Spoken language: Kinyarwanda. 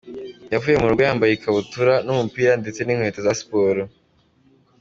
Yavuye mu rugo yambaye ikabutura n’umupira ndetse n’inkweto za siporo.